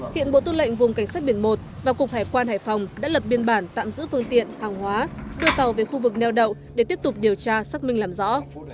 hiện bộ tư lệnh vùng cảnh sát biển một và cục hải quan hải phòng đã lập biên bản tạm giữ phương tiện hàng hóa đưa tàu về khu vực neo đậu để tiếp tục điều tra xác minh làm rõ